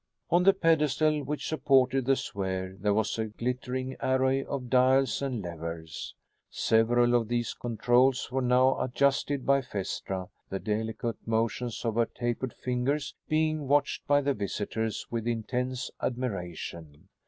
On the pedestal which supported the sphere there was a glittering array of dials and levers. Several of these controls were now adjusted by Phaestra, the delicate motions of her tapered fingers being watched by the visitors with intense admiration.